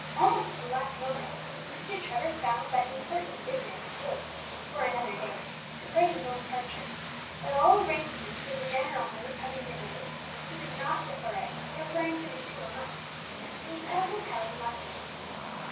Almost at the last moment Mr. Trevor found that important business would, for another day, delay his own departure; but all arrangements for the general move having been made, he would not defer it, preferring for the single night to sleep at a hotel in London.